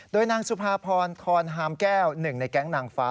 โดยนางสุภาพรทรฮามแก้วหนึ่งในแก๊งนางฟ้า